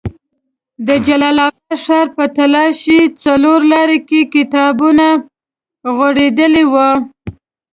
د جلال اباد ښار په تالاشۍ څلور لاري کې کتابونه غوړېدلي وو.